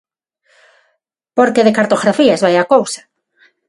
Porque de cartografías vai a cousa.